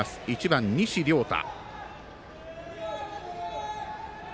１番、西稜太。